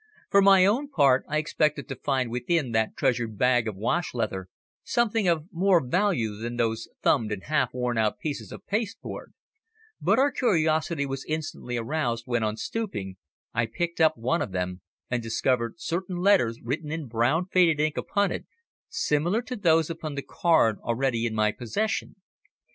For my own part I expected to find within that treasured bag of wash leather something of more value than those thumbed and half worn out pieces of pasteboard, but our curiosity was instantly aroused when, on stooping, I picked up one of them and discovered certain letters written in brown faded ink upon it, similar to those upon the card already in my possession.